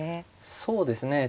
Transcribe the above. そうですね。